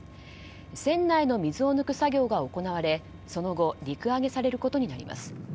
船内の水を抜く作業が行われその後陸揚げされることになります。